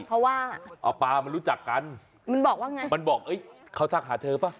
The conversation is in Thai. เพราะว่าหมอปลามันรู้จักกันมันบอกว่าไงมันบอกเอ้ยเขาทักหาเธอป่ะ